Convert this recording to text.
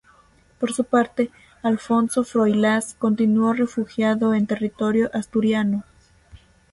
Por su parte, Alfonso Froilaz continuó refugiado en territorio asturiano.